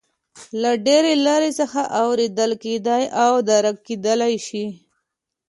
له ډېرې لرې څخه اورېدل کېدای او درک کېدلای شي.